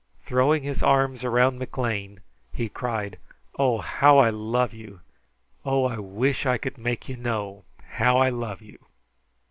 Throwing his arms around McLean, he cried: "Oh, how I love you! Oh, I wish I could make you know how I love you!"